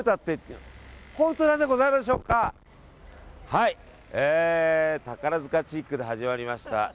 はい、宝塚チックで始まりました。